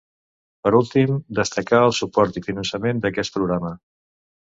Per últim, destacar el suport i finançament d'aquest programa.